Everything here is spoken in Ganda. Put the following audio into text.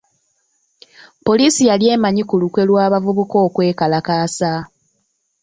Poliisi yali emanyi ku lukwe lw'abavubuka okwekalakaasa.